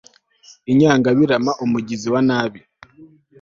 inyangabirama umugizi wa nabi